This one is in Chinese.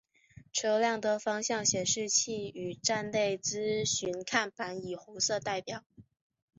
车辆的方向显示器与站内资讯看板以红色代表。